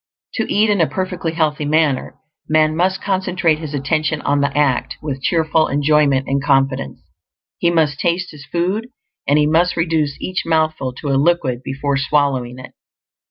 To eat in a perfectly healthy manner, man must concentrate his attention on the act, with cheerful enjoyment and confidence; he must taste his food, and he must reduce each mouthful to a liquid before swallowing it.